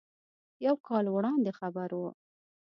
یو کال وړاندې خبر و.